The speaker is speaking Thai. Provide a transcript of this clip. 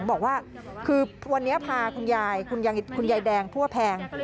บอกว่าคือวันนี้พาคุณยายแดงพั่วแพง